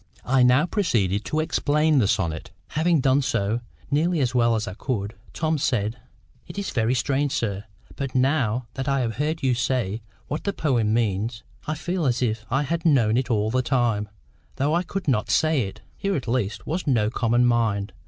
I now proceeded to explain the sonnet. Having done so, nearly as well as I could, Tom said: "It is very strange, sir; but now that I have heard you say what the poem means, I feel as if I had known it all the time, though I could not say it." Here at least was no common mind.